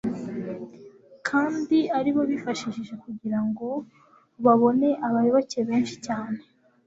kandi ari bo bifashishije kugira ngo babone abayoboke benshi cyane